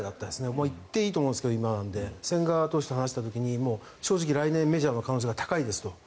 もう言っていいと思うんですけど今なので千賀投手と話した時に正直、来年、メジャーの可能性が高いですと。